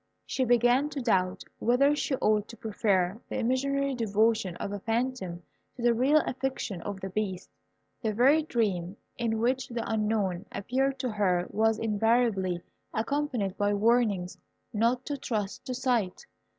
She began to doubt whether she ought to prefer the imaginary devotion of a phantom to the real affection of the Beast. The very dream in which the Unknown appeared to her was invariably accompanied by warnings not to trust to sight.